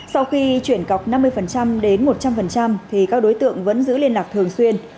sau khi chuyển cọc năm mươi đến một trăm linh thì các đối tượng vẫn giữ liên lạc thường xuyên